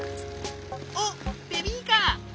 あっベビーカー！